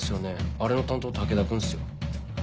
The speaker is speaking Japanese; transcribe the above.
あれの担当武田君っすよ。